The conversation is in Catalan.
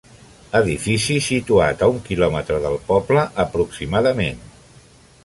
Edifici situat a un quilòmetre del poble aproximadament.